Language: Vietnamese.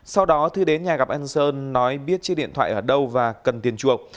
sau đó thư đến nhà gặp anh sơn nói biết chiếc điện thoại ở đâu và cần tiền chuộc